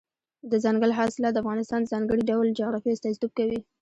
دځنګل حاصلات د افغانستان د ځانګړي ډول جغرافیه استازیتوب کوي.